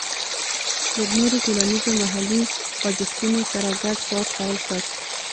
له نورو ټولنیزو محلي خوځښتونو سره ګډ کار پیل کړ.